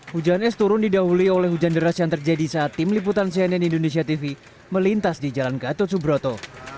hujan es turun didahului oleh hujan deras yang terjadi saat tim liputan cnn indonesia tv melintas di jalan gatot subroto